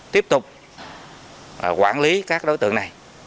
tiếp tục quản lý các đối tượng này